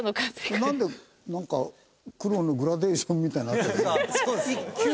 なんでなんか黒のグラデーションみたいになってるの？